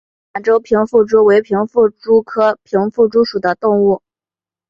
满洲平腹蛛为平腹蛛科平腹蛛属的动物。